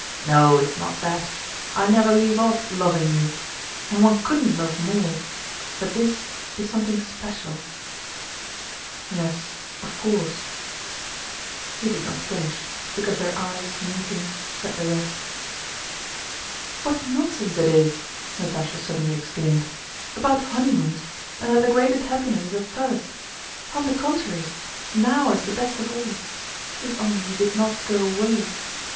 "No, it's not that. I never leave off loving you. And one couldn't love more, but this is something special.... Yes, of course—" he did not finish because their eyes meeting said the rest. "What nonsense it is," Natásha suddenly exclaimed, "about honeymoons, and that the greatest happiness is at first! On the contrary, now is the best of all. If only you did not go away!